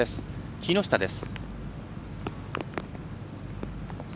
木下です。